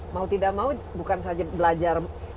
mau tidak mau bukan saja belajar